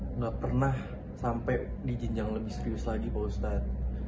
tidak pernah sampai dijenjang lebih serius lagi pak ustadz